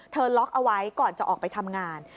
ล็อกเอาไว้ก่อนจะออกไปทำงาน